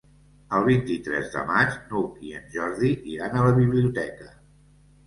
El vint-i-tres de maig n'Hug i en Jordi iran a la biblioteca.